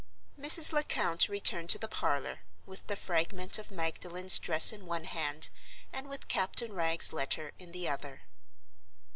Mrs. Lecount returned to the parlor, with the fragment of Magdalen's dress in one hand, and with Captain Wragge's letter in the other.